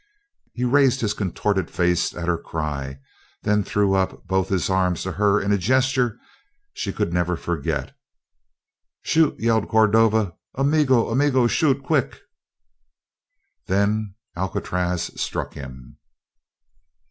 He raised his contorted face at her cry, then threw up both his arms to her in a gesture she could never forget. "Shoot!" yelled Cordova. "Amigo, amigo, shoot! Quick " Then Alcatraz struck him!